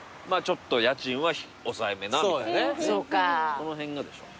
この辺がでしょ。